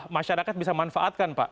masyarakat bisa manfaatkan pak